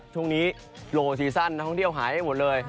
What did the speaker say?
ช่วงนี้โลซีซั่นท่องเที่ยวหายไปหมดเลย